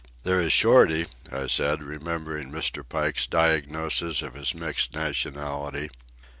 "There is Shorty," I said, remembering Mr. Pike's diagnosis of his mixed nationality.